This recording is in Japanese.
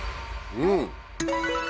うん。